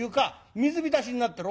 水浸しになってる。